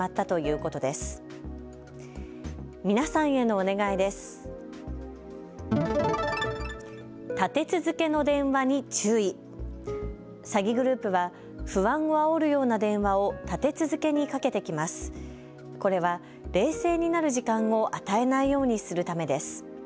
これは冷静になる時間を与えないようにするためです。